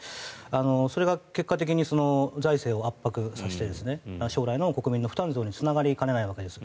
それが結果的に財政を圧迫させて将来の国民の負担増につながりかねないわけです。